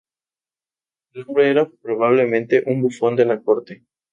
El hombre era probablemente un bufón de la corte.